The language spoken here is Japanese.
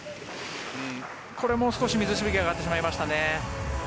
これも水しぶきが少し上がってしまいましたね。